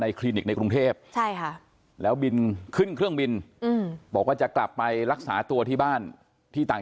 คลินิกในกรุงเทพใช่ค่ะแล้วบินขึ้นเครื่องบินบอกว่าจะกลับไปรักษาตัวที่บ้านที่ต่าง